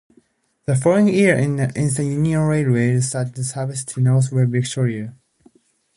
The following year the Eastern Union Railway started services to Norwich Victoria.